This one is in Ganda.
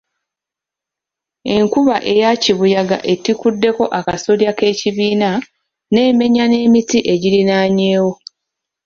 Enkuba eya kibuyaga etikkuddeko akasolya k'ekibiina n'emenya n'emiti egiriraanyeewo